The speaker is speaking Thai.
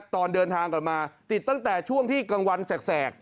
ตอนเดินทางกลับมาติดตั้งแต่ช่วงที่กลางวันแสก